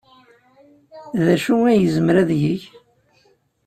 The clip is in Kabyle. D acu ay yezmer ad yeg?